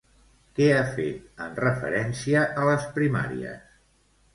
Què ha fet, en referència a les primàries?